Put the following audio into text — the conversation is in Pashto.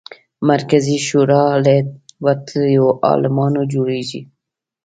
مرکزي شورا له وتلیو عالمانو جوړېږي.